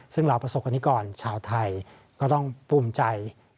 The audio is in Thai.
ซึ่งเราประสบกรณิกรชาวไทยก็ต้องภูมิใจ